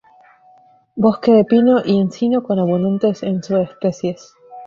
Bosque de pino y encino con abundante en subespecies.